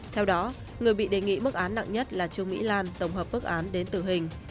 theo đó người bị đề nghị mức án nặng nhất là trương mỹ lan tổng hợp bức án đến tử hình